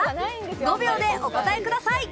５秒でお答えください。